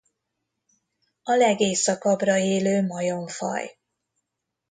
A legészakabbra élő majomfaj.